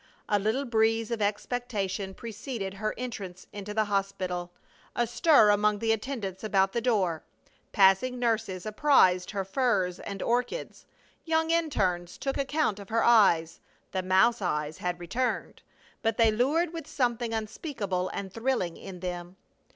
A little breeze of expectation preceded her entrance into the hospital, a stir among the attendants about the door. Passing nurses apprized her furs and orchids; young interns took account of her eyes the mouse eyes had returned, but they lured with something unspeakable and thrilling in them.